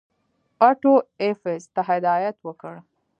آټو ایفز ته هدایت وکړ.